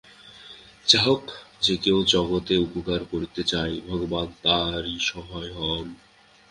যা হোক, যে-কেউ জগতের উপকার করতে চায়, ভগবান তারই সহায় হউন।